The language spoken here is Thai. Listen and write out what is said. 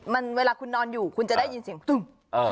มันเวลาคุณนอนอยู่คุณจะได้ยินเสียงตึ้ม